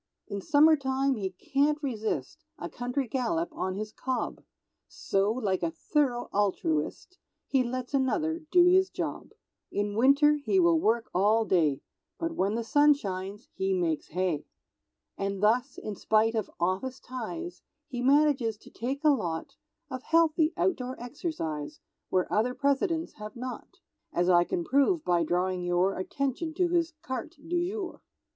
In summertime he can't resist A country gallop on his cob, So, like a thorough altruist, He lets another do his job; In winter he will work all day, But when the sun shines he makes Hay. And thus, in spite of office ties, He manages to take a lot Of healthy outdoor exercise, Where other Presidents have not; As I can prove by drawing your Attention to his carte du jour.